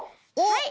はい！